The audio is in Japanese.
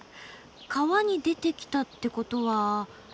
川に出てきたってことは。